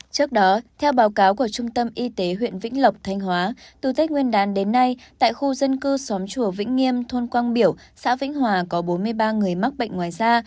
trước đó theo báo cáo của trung tâm y tế huyện vĩnh lộc thanh hóa từ tết nguyên đán đến nay tại khu dân cư xóm chùa vĩnh nghiêm thôn quang biểu xã vĩnh hòa có bốn mươi ba người mắc bệnh ngoài da